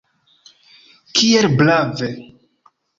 Kiel brave!